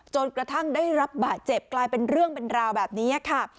จนกระทั่งได้รับบาดเจ็บกลายเป็นเรื่องเป็นราวแบบนี้ค่ะ